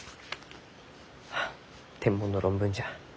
はあ天文の論文じゃ。